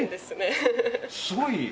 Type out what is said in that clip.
すごい！